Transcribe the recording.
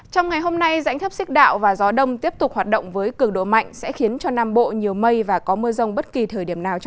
trong ngày hôm nay dãnh thấp xích đạo và gió đông tiếp tục hoạt động với cường độ mạnh sẽ khiến cho nam bộ nhiều mây và có mưa rông bất kỳ thời điểm nào